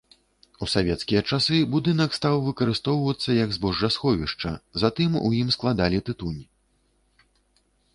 У савецкія часы будынак стаў выкарыстоўвацца як збожжасховішча, затым у ім складалі тытунь.